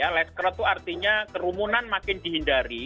less crowt itu artinya kerumunan makin dihindari